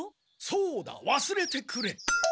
そうだわすれてくれ。